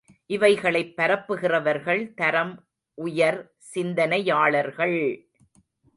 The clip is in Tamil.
இவைகளைப் பரப்புகிறவர்கள் தரம் உயர் சிந்தனையாளர்கள்!